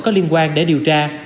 có liên quan để điều tra